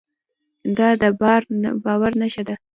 دا د باور نښه ده.